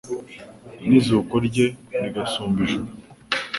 n’ikuzo rye rigasumba ijuru